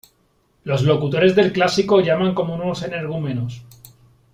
Los locutores del clásico llaman como unos energúmenos.